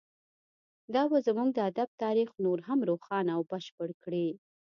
دا به زموږ د ادب تاریخ نور هم روښانه او بشپړ کړي